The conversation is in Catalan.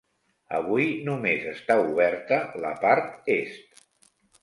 Avui només està oberta la part est.